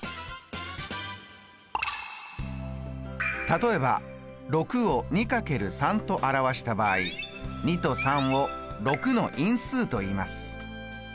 例えば６を２×３と表した場合２と３を「６の因数」といいます。